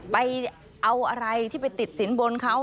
ไปเอาอะไรที่ไปติดสินบนเขา